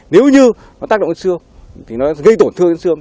nếu như nó tác động trên xương thì nó gây tổn thương trên xương